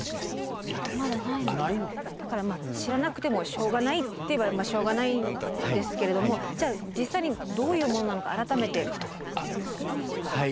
だからまあ知らなくてもしょうがないっていえばしょうがないんですけれどもじゃあ実際にどういうものなのか改めて福和さんにご説明お願いします。